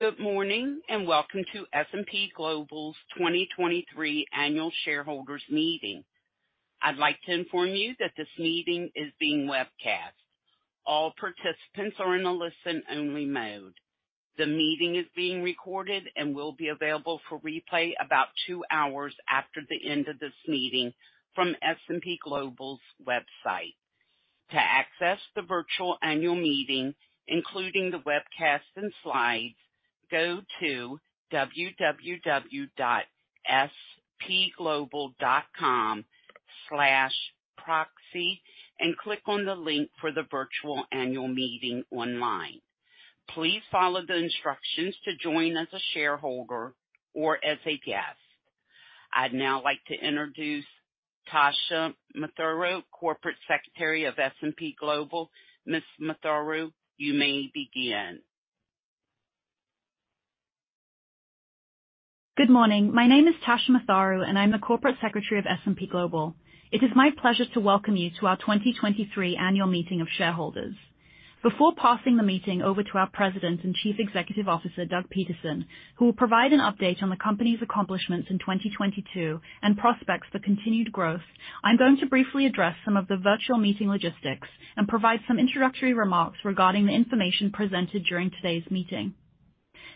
Good morning. Welcome to S&P Global's 2023 Annual Shareholders Meeting. I'd like to inform you that this meeting is being webcast. All participants are in a listen-only mode. The meeting is being recorded and will be available for replay about two hours after the end of this meeting from S&P Global's website. To access the virtual annual meeting, including the webcast and slides, go to www.spglobal.com/proxy and click on the link for the virtual annual meeting online. Please follow the instructions to join as a shareholder or as a guest. I'd now like to introduce Tasha Matharu, Corporate Secretary of S&P Global. Ms. Matharu, you may begin. Good morning. My name is Tasha Matharu, and I'm the Corporate Secretary of S&P Global. It is my pleasure to welcome you to our 2023 Annual Meeting of Shareholders. Before passing the meeting over to our President and Chief Executive Officer, Doug Peterson, who will provide an update on the company's accomplishments in 2022 and prospects for continued growth, I'm going to briefly address some of the virtual meeting logistics and provide some introductory remarks regarding the information presented during today's meeting.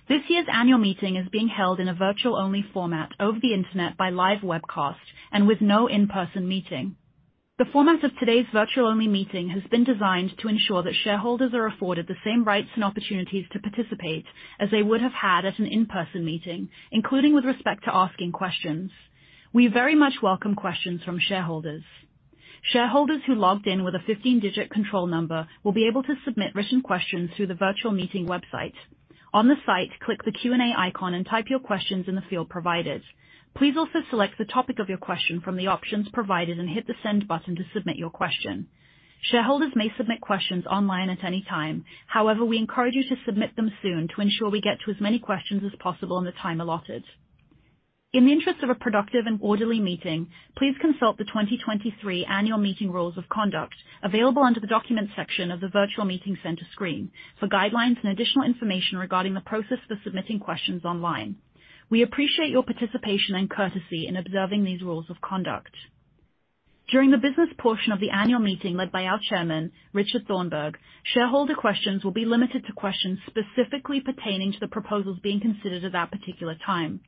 This year's annual meeting is being held in a virtual-only format over the Internet by live webcast and with no in-person meeting. The format of today's virtual-only meeting has been designed to ensure that shareholders are afforded the same rights and opportunities to participate as they would have had at an in-person meeting, including with respect to asking questions. We very much welcome questions from shareholders. Shareholders who logged in with a 15-digit control number will be able to submit written questions through the virtual meeting website. On the site, click the Q&A icon and type your questions in the field provided. Please also select the topic of your question from the options provided and hit the Send button to submit your question. Shareholders may submit questions online at any time. However, we encourage you to submit them soon to ensure we get to as many questions as possible in the time allotted. In the interest of a productive and orderly meeting, please consult the 2023 Annual Meeting Rules of Conduct available under the Documents section of the Virtual Meeting Center screen for guidelines and additional information regarding the process for submitting questions online. We appreciate your participation and courtesy in observing these rules of conduct. During the business portion of the annual meeting led by our Chairman, Richard Thornburgh, shareholder questions will be limited to questions specifically pertaining to the proposals being considered at that particular time.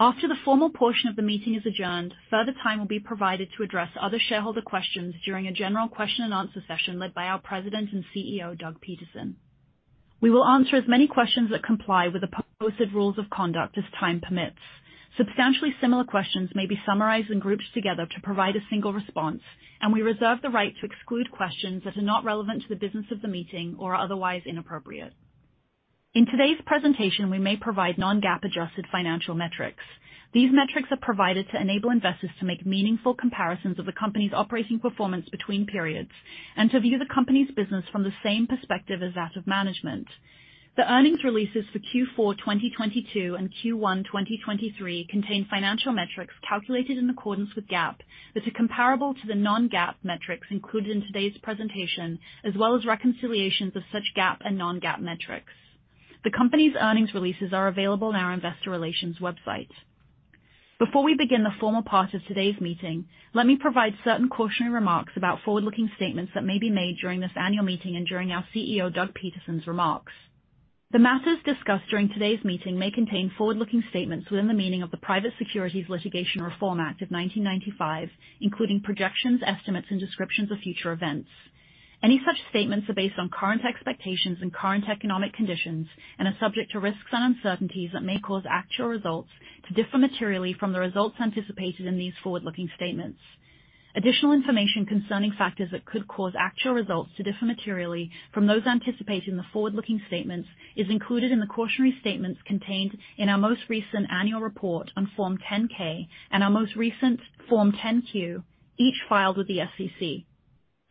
After the formal portion of the meeting is adjourned, further time will be provided to address other shareholder questions during a general question and answer session led by our President and CEO, Doug Peterson. We will answer as many questions that comply with the proposed rules of conduct as time permits. Substantially similar questions may be summarized and grouped together to provide a single response. We reserve the right to exclude questions that are not relevant to the business of the meeting or are otherwise inappropriate. In today's presentation, we may provide non-GAAP adjusted financial metrics. These metrics are provided to enable investors to make meaningful comparisons of the company's operating performance between periods and to view the company's business from the same perspective as that of management. The earnings releases for Q4 2022 and Q1 2023 contain financial metrics calculated in accordance with GAAP, but are comparable to the non-GAAP metrics included in today's presentation, as well as reconciliations of such GAAP and non-GAAP metrics. The company's earnings releases are available on our investor relations website. Before we begin the formal part of today's meeting, let me provide certain cautionary remarks about forward-looking statements that may be made during this annual meeting and during our CEO, Doug Peterson's remarks. The matters discussed during today's meeting may contain forward-looking statements within the meaning of the Private Securities Litigation Reform Act of 1995, including projections, estimates, and descriptions of future events. Any such statements are based on current expectations and current economic conditions and are subject to risks and uncertainties that may cause actual results to differ materially from the results anticipated in these forward-looking statements. Additional information concerning factors that could cause actual results to differ materially from those anticipated in the forward-looking statements is included in the cautionary statements contained in our most recent annual report on Form 10-K and our most recent Form 10-Q, each filed with the SEC.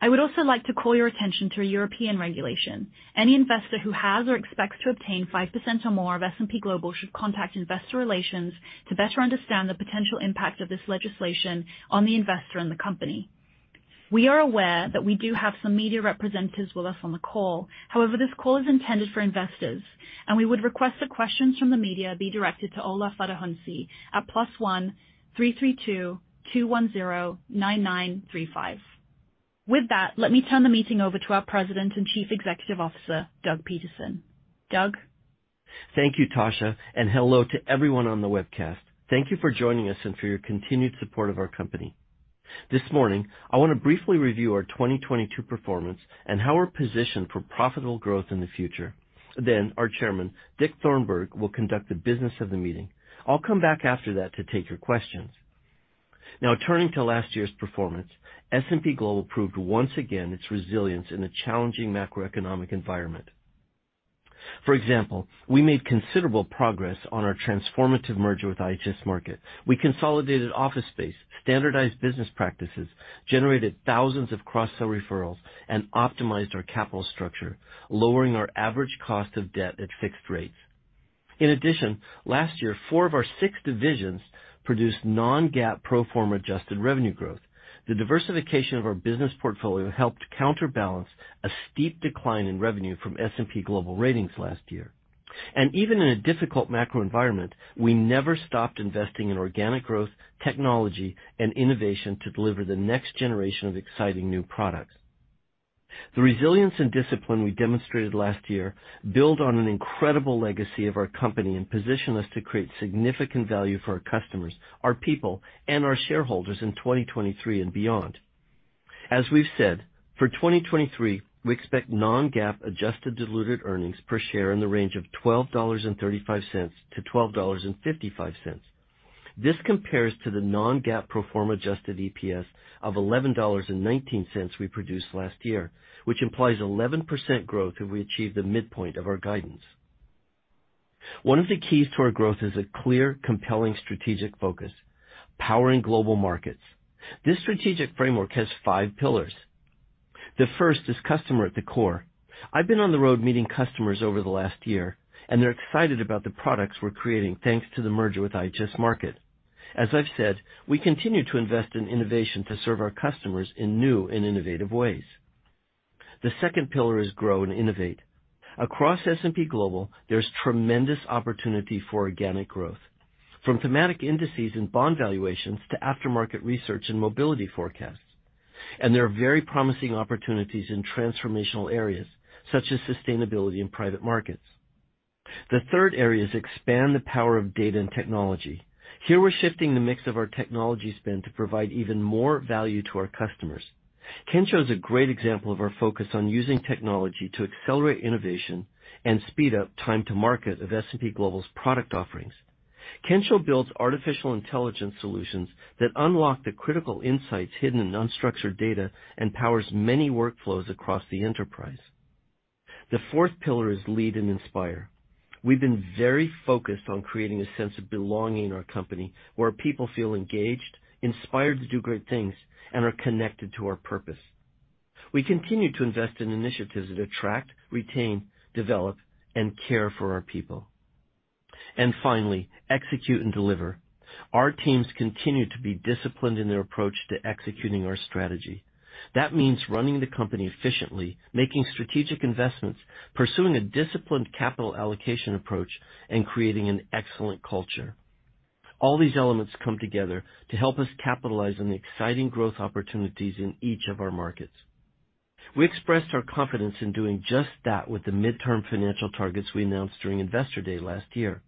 I would also like to call your attention to a European regulation. Any investor who has or expects to obtain 5% or more of S&P Global should contact investor relations to better understand the potential impact of this legislation on the investor and the company. We are aware that we do have some media representatives with us on the call. This call is intended for investors, and we would request that questions from the media be directed to Ola Fadahunsi at +1 332 210 9935. With that, let me turn the meeting over to our President and Chief Executive Officer, Doug Peterson. Doug? Thank you, Tasha. Hello to everyone on the webcast. Thank you for joining us and for your continued support of our company. This morning, I want to briefly review our 2022 performance and how we're positioned for profitable growth in the future. Our Chairman, Thornburgh, will conduct the business of the meeting. I'll come back after that to take your questions. Turning to last year's performance, S&P Global proved once again its resilience in a challenging macroeconomic environment. For example, we made considerable progress on our transformative merger with IHS Markit. We consolidated office space, standardized business practices, generated thousands of cross-sell referrals, and optimized our capital structure, lowering our average cost of debt at fixed rates. Last year, four of our six divisions produced non-GAAP pro forma adjusted revenue growth. The diversification of our business portfolio helped counterbalance a steep decline in revenue from S&P Global Ratings last year. Even in a difficult macro environment, we never stopped investing in organic growth, technology, and innovation to deliver the next generation of exciting new products. The resilience and discipline we demonstrated last year build on an incredible legacy of our company and position us to create significant value for our customers, our people, and our shareholders in 2023 and beyond. As we've said, for 2023, we expect non-GAAP adjusted diluted earnings per share in the range of $12.35-$12.55. This compares to the non-GAAP pro forma adjusted EPS of $11.19 we produced last year, which implies 11% growth if we achieve the midpoint of our guidance. One of the keys to our growth is a clear, compelling strategic focus, powering global markets. This strategic framework has five pillars. The first is customer at the core. I've been on the road meeting customers over the last year, they're excited about the products we're creating thanks to the merger with IHS Markit. As I've said, we continue to invest in innovation to serve our customers in new and innovative ways. The second pillar is grow and innovate. Across S&P Global, there's tremendous opportunity for organic growth, from thematic indices and bond valuations to aftermarket research and mobility forecasts. There are very promising opportunities in transformational areas such as sustainability and private markets. The third area is expand the power of data and technology. Here we're shifting the mix of our technology spend to provide even more value to our customers. Kensho is a great example of our focus on using technology to accelerate innovation and speed up time to market of S&P Global's product offerings. Kensho builds artificial intelligence solutions that unlock the critical insights hidden in unstructured data and powers many workflows across the enterprise. The fourth pillar is lead and inspire. We've been very focused on creating a sense of belonging in our company where people feel engaged, inspired to do great things, and are connected to our purpose. We continue to invest in initiatives that attract, retain, develop, and care for our people. Finally, execute and deliver. Our teams continue to be disciplined in their approach to executing our strategy. That means running the company efficiently, making strategic investments, pursuing a disciplined capital allocation approach, and creating an excellent culture. All these elements come together to help us capitalize on the exciting growth opportunities in each of our markets. We expressed our confidence in doing just that with the midterm financial targets we announced during Investor Day last year.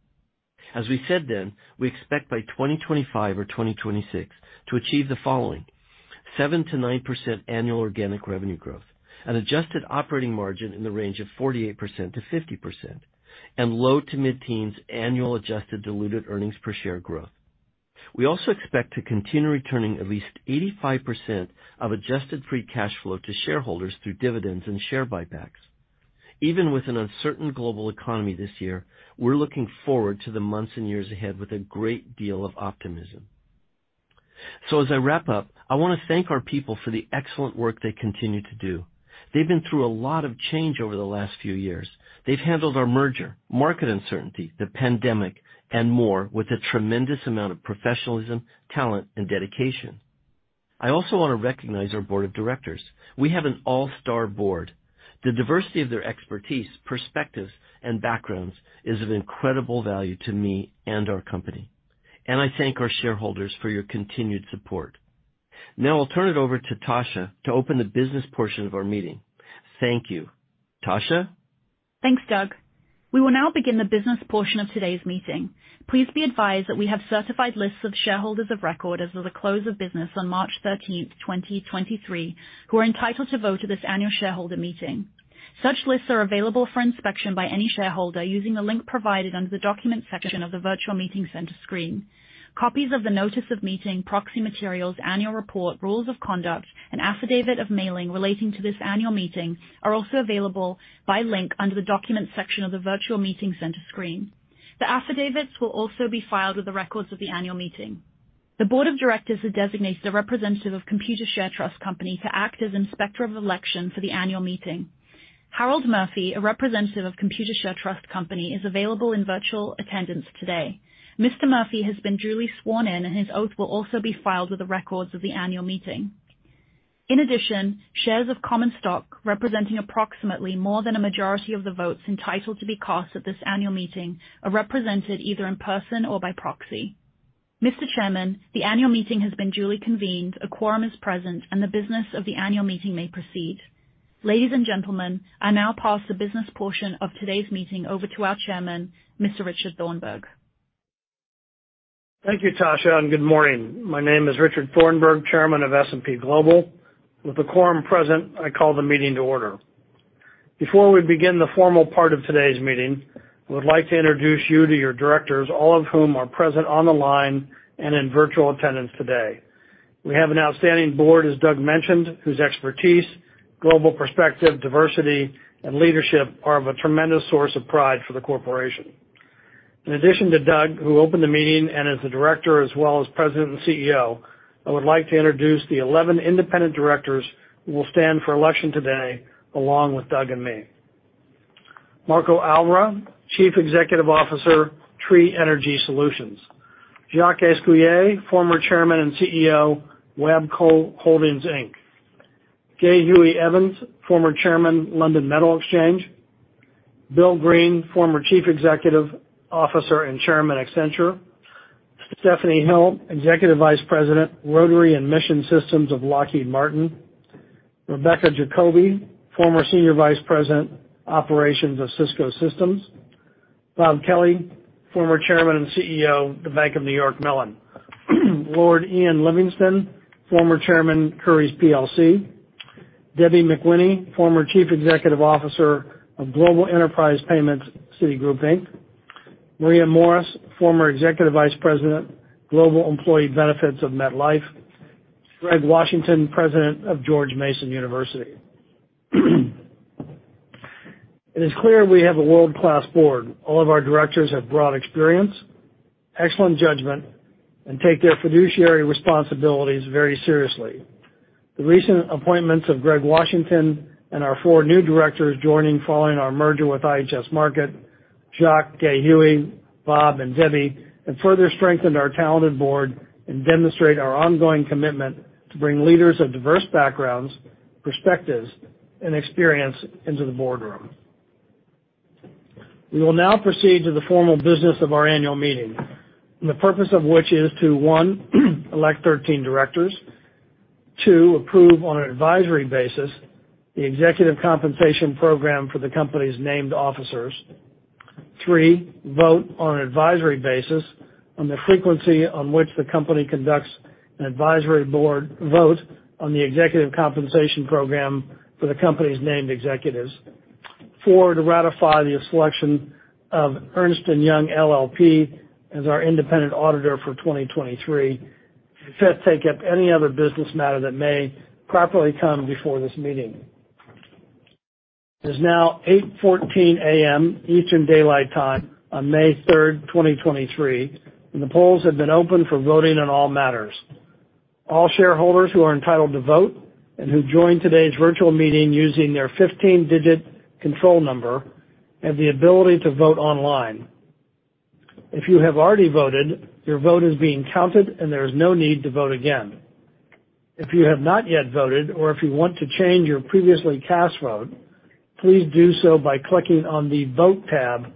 As we said then, we expect by 2025 or 2026 to achieve the following: 7%-9% annual organic revenue growth, an adjusted operating margin in the range of 48%-50%, and low to mid-teens annual adjusted diluted earnings per share growth. We also expect to continue returning at least 85% of adjusted free cash flow to shareholders through dividends and share buybacks. Even with an uncertain global economy this year, we're looking forward to the months and years ahead with a great deal of optimism. As I wrap up, I want to thank our people for the excellent work they continue to do. They've been through a lot of change over the last few years. They've handled our merger, market uncertainty, the pandemic, and more with a tremendous amount of professionalism, talent, and dedication. I also want to recognize our board of directors. We have an all-star board. The diversity of their expertise, perspectives, and backgrounds is of incredible value to me and our company. I thank our shareholders for your continued support. Now I'll turn it over to Tasha to open the business portion of our meeting. Thank you. Tasha? Thanks, Doug. We will now begin the business portion of today's meeting. Please be advised that we have certified lists of shareholders of record as of the close of business on March 13, 2023, who are entitled to vote at this annual shareholder meeting. Such lists are available for inspection by any shareholder using the link provided under the Documents section of the Virtual Meeting Center screen. Copies of the notice of meeting, proxy materials, annual report, rules of conduct, and affidavit of mailing relating to this annual meeting are also available by link under the Documents section of the Virtual Meeting Center screen. The affidavits will also be filed with the records of the annual meeting. The board of directors has designated a representative of Computershare Trust Company, N.A. to act as inspector of election for the annual meeting. Harold Murphy, a representative of Computershare Trust Company, N.A., is available in virtual attendance today. Mr. Murphy has been duly sworn in, and his oath will also be filed with the records of the annual meeting. In addition, shares of common stock, representing approximately more than a majority of the votes entitled to be cast at this annual meeting, are represented either in person or by proxy. Mr. Chairman, the annual meeting has been duly convened, a quorum is present, and the business of the annual meeting may proceed. Ladies and gentlemen, I now pass the business portion of today's meeting over to our Chairman, Mr. Richard Thornburgh. Thank you, Tasha. Good morning. My name is Richard Thornburgh, Chairman of S&P Global. With the quorum present, I call the meeting to order. Before we begin the formal part of today's meeting, I would like to introduce you to your directors, all of whom are present on the line and in virtual attendance today. We have an outstanding board, as Doug mentioned, whose expertise, global perspective, diversity, and leadership are of a tremendous source of pride for the corporation. In addition to Doug, who opened the meeting and is a director as well as President and CEO, I would like to introduce the 11 independent directors who will stand for election today along with Doug and me. Marco Alverà, Chief Executive Officer, Tree Energy Solutions. Jacques Esculier, Former Chairman and CEO, WABCO Holdings Inc. Gay Huey Evans, former Chairman, London Metal Exchange. Bill Green, former Chief Executive Officer and Chairman, Accenture. Stephanie Hill, Executive Vice President, Rotary and Mission Systems of Lockheed Martin. Rebecca Jacoby, former Senior Vice President, Operations of Cisco Systems. Bob Kelly, former Chairman and CEO of The Bank of New York Mellon. Lord Ian Livingston, former Chairman, Currys PLC. Debbie D. McWhinney, former Chief Executive Officer of Global Enterprise Payments, Citigroup Inc. Maria Morris, former Executive Vice President, Global Employee Benefits of MetLife. Greg Washington, President of George Mason University. It is clear we have a world-class board. All of our directors have broad experience, excellent judgment, and take their fiduciary responsibilities very seriously. The recent appointments of Greg Washington and our four new directors joining following our merger with IHS Markit, Jacques, Gay Huey, Bob, and Debbie, have further strengthened our talented board and demonstrate our ongoing commitment to bring leaders of diverse backgrounds, perspectives, and experience into the boardroom. We will now proceed to the formal business of our annual meeting. The purpose of which is to. One elect 13 directors. Two, approve on an advisory basis the executive compensation program for the company's named officers. Three, vote on an advisory basis on the frequency on which the company conducts an advisory board vote on the executive compensation program for the company's named executives. Four, to ratify the selection of Ernst & Young LLP as our independent auditor for 2023. Fifth, take up any other business matter that may properly come before this meeting. It is now 8:14 A.M. Eastern Daylight Time on May 3, 2023. The polls have been opened for voting on all matters. All shareholders who are entitled to vote and who joined today's virtual meeting using their 15-digit control number have the ability to vote online. If you have already voted, your vote is being counted, and there is no need to vote again. If you have not yet voted or if you want to change your previously cast vote, please do so by clicking on the Vote tab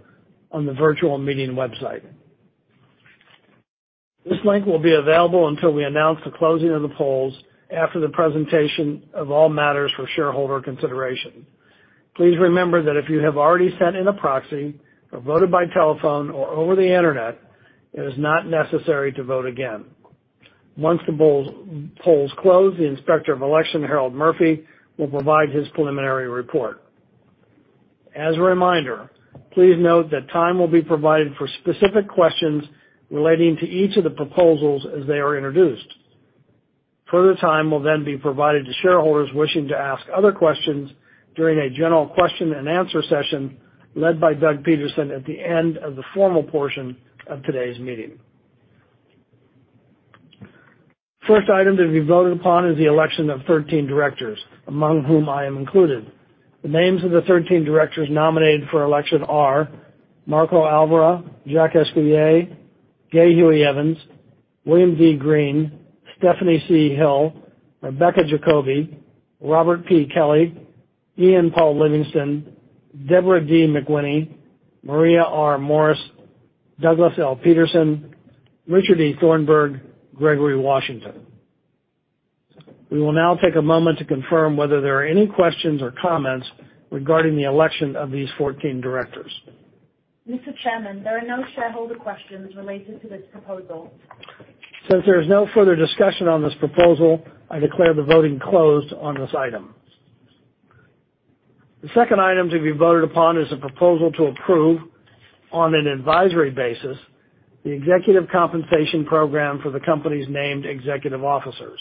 on the virtual meeting website. This link will be available until we announce the closing of the polls after the presentation of all matters for shareholder consideration. Please remember that if you have already sent in a proxy or voted by telephone or over the Internet, it is not necessary to vote again. Once the polls close, the Inspector of Election, Harold Murphy, will provide his preliminary report. As a reminder, please note that time will be provided for specific questions relating to each of the proposals as they are introduced. Further time will then be provided to shareholders wishing to ask other questions during a general question and answer session led by Doug Peterson at the end of the formal portion of today's meeting. First item to be voted upon is the election of 13 directors, among whom I am included. The names of the 13 directors nominated for election are Marco Alverà, Jacques Esqulier, Gay Huey Evans, William D. Green, Stephanie C. Hill, Rebecca Jacoby, Robert P. Kelly, Ian Paul Livingston, Deborah D. McWhinney, Maria R. Morris, Douglas L. Peterson, Richard E. Thornburgh, Gregory Washington. We will now take a moment to confirm whether there are any questions or comments regarding the election of these 14 directors. Mr. Chairman, there are no shareholder questions related to this proposal. Since there is no further discussion on this proposal, I declare the voting closed on this item. The second item to be voted upon is a proposal to approve, on an advisory basis, the Executive Compensation Program for the company's named executive officers.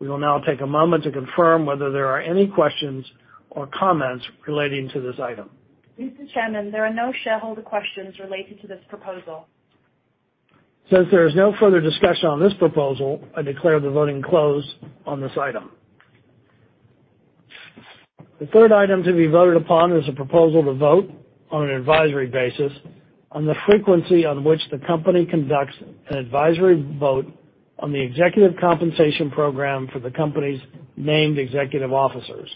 We will now take a moment to confirm whether there are any questions or comments relating to this item. Mr. Chairman, there are no shareholder questions related to this proposal. Since there is no further discussion on this proposal, I declare the voting closed on this item. The third item to be voted upon is a proposal to vote on an advisory basis on the frequency on which the company conducts an advisory vote on the Executive Compensation Program for the company's named executive officers.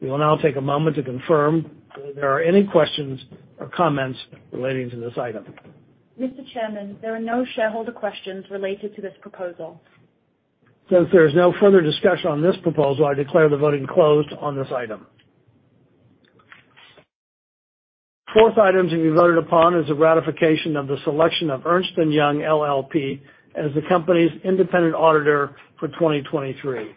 We will now take a moment to confirm whether there are any questions or comments relating to this item. Mr. Chairman, there are no shareholder questions related to this proposal. Since there is no further discussion on this proposal, I declare the voting closed on this item. Fourth item to be voted upon is a ratification of the selection of Ernst & Young LLP as the company's independent auditor for 2023.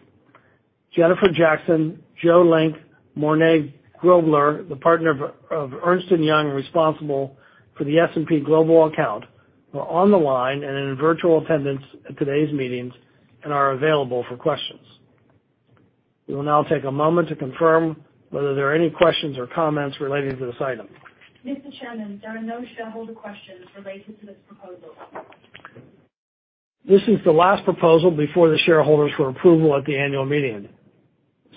Jennifer Jackson, Joe Link, Morne Grobler, the partner of Ernst & Young responsible for the S&P Global account, are on the line and in virtual attendance at today's meetings and are available for questions. We will now take a moment to confirm whether there are any questions or comments relating to this item. Mr. Chairman, there are no shareholder questions related to this proposal. This is the last proposal before the shareholders for approval at the annual meeting.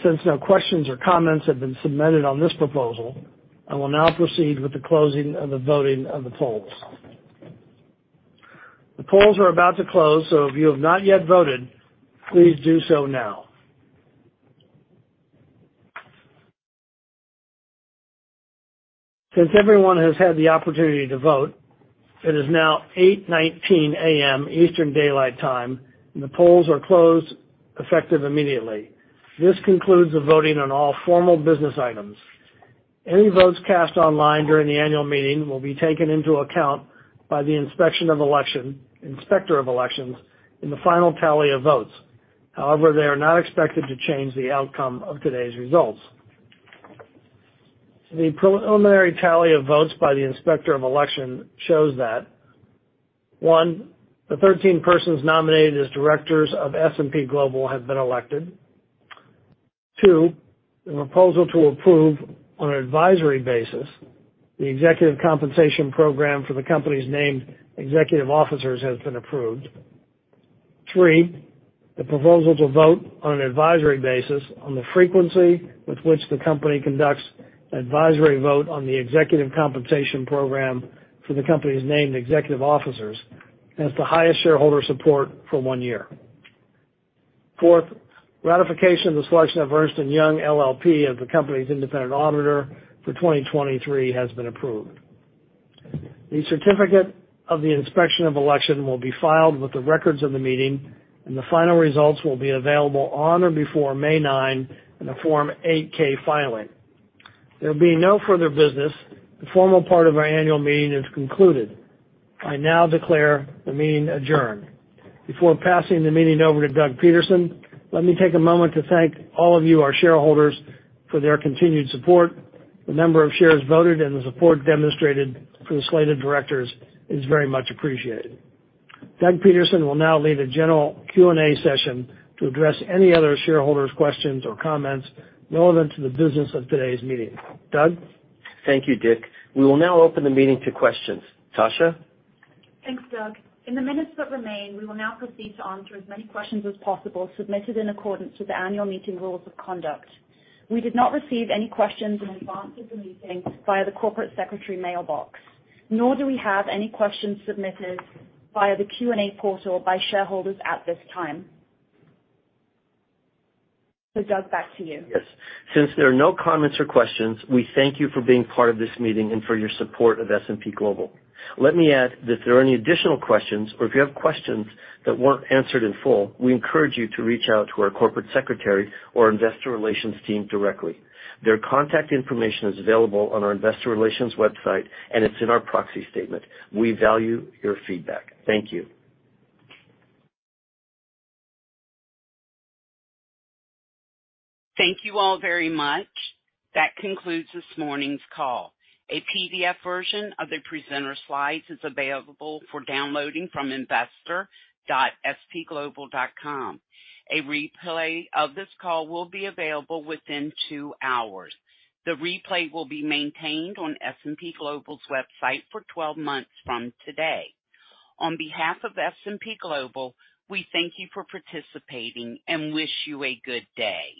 Since no questions or comments have been submitted on this proposal, I will now proceed with the closing of the voting of the polls. The polls are about to close. If you have not yet voted, please do so now. Since everyone has had the opportunity to vote, it is now 8:19 A.M. Eastern Daylight Time. The polls are closed, effective immediately. This concludes the voting on all formal business items. Any votes cast online during the annual meeting will be taken into account by the inspector of elections in the final tally of votes. However, they are not expected to change the outcome of today's results. The preliminary tally of votes by the inspector of election shows that. One, the 13 persons nominated as directors of S&P Global have been elected. Two, the proposal to approve on an advisory basis the executive compensation program for the company's named executive officers has been approved. Three, the proposal to vote on an advisory basis on the frequency with which the company conducts advisory vote on the executive compensation program for the company's named executive officers has the highest shareholder support for one year. Fourth, ratification of the selection of Ernst & Young LLP of the company's independent auditor for 2023 has been approved. The certificate of the inspection of election will be filed with the records of the meeting, and the final results will be available on or before May 9 in a Form 8-K filing. There'll be no further business. The formal part of our annual meeting is concluded. I now declare the meeting adjourned. Before passing the meeting over to Doug Peterson, let me take a moment to thank all of you, our shareholders, for their continued support. The number of shares voted and the support demonstrated for the slated directors is very much appreciated. Doug Peterson will now lead a general Q&A session to address any other shareholders questions or comments relevant to the business of today's meeting. Doug? Thank you. We will now open the meeting to questions. Tasha? Thanks, Doug. In the minutes that remain, we will now proceed to answer as many questions as possible submitted in accordance to the annual meeting rules of conduct. We did not receive any questions in advance of the meeting via the corporate secretary mailbox, nor do we have any questions submitted via the Q&A portal by shareholders at this time. Doug, back to you. Yes. Since there are no comments or questions, we thank you for being part of this meeting and for your support of S&P Global. Let me add that if there are any additional questions or if you have questions that weren't answered in full, we encourage you to reach out to our corporate secretary or investor relations team directly. Their contact information is available on our investor relations website, and it's in our proxy statement. We value your feedback. Thank you. Thank you all very much. That concludes this morning's call. A PDF version of the presenter slides is available for downloading from investor.spglobal.com. A replay of this call will be available within 2 hours. The replay will be maintained on S&P Global's website for 12 months from today. On behalf of S&P Global, we thank you for participating and wish you a good day.